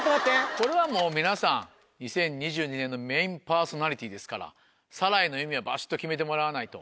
これはもう皆さん２０２２年のメインパーソナリティーですから『サライ』の意味はばしっと決めてもらわないと。